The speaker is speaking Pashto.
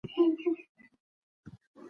مور یې وویل چې لور مې نن ډوډۍ نه خوري.